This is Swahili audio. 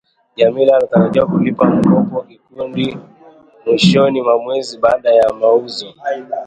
Jamila alitarajiwa kulipa mkopo wa kikundi mwsihoni mwa mwezi baada ya mauzo